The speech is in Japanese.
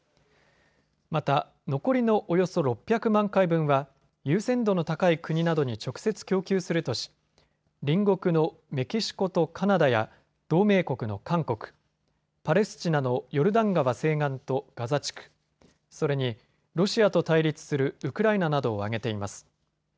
また残りのおよそ６００万回分は優先度の高い国などに直接供給するとし、隣国のメキシコとカナダや同盟国の韓国、パレスチナのヨルダン川西岸とガザ地区、それにロシアと対立するウクライナなどを挙げています。